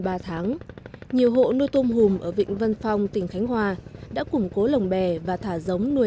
ba tháng nhiều hộ nuôi tôm hùm ở vịnh vân phong tỉnh khánh hòa đã củng cố lồng bè và thả giống nuôi